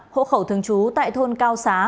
hỗ khẩu thường trú tại thôn cao xá